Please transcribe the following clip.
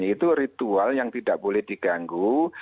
itu ritual yang tidak boleh diganggu